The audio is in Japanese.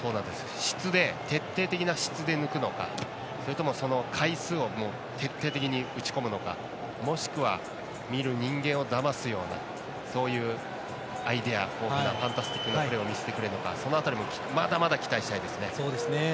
徹底的な質で抜くのかそれとも回数を徹底的に打ち込むのかもしくは見る人間をだますようなそういうアイデア豊富なファンタスティックなプレーをするのかその辺りもまだまだ期待したいですね。